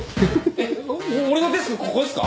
えっ俺のデスクここですか？